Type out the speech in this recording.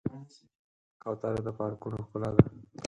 کوتره د پارکونو ښکلا ده.